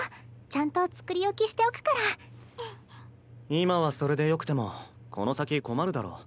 今はそれでよくてもこの先困るだろ。